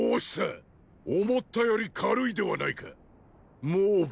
思ったより軽いではないか蒙武。